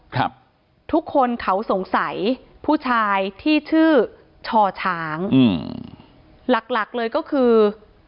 ครับทุกคนเขาสงสัยผู้ชายที่ชื่อช่อช้างอืมหลักหลักเลยก็คือ